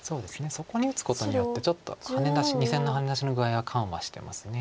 そこに打つことによってちょっと２線のハネ出しの具合が緩和してます。